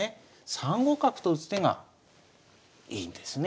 ３五角と打つ手がいいんですね。